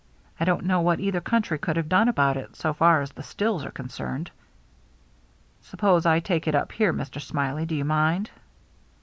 I don't know what either country could have done about it, so far as the stills are concerned." " Suppose I take it up here, Mr. Smiley, do you mind